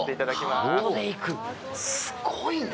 すごいね。